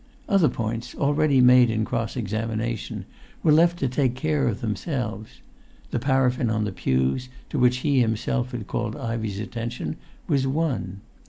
Other points, already made in cross examination, were left to take care of themselves: the paraffin on the pews, to which he himself had called Ivey's attention, was one.